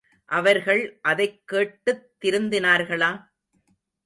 அவர்கள் அதைக் கேட்டுத் திருந்தினார்களா?